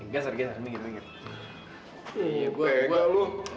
gasar gasar minggir minggir